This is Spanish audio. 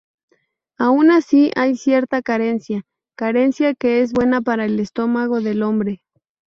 Aun así hay cierta carencia, carencia que es buena para el estómago del hombre.